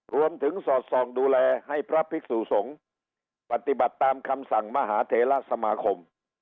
สอดส่องดูแลให้พระภิกษุสงฆ์ปฏิบัติตามคำสั่งมหาเทระสมาคม